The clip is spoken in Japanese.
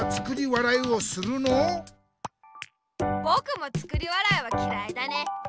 ぼくも作り笑いはきらいだね。